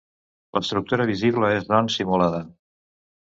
L'estructura visible és doncs simulada.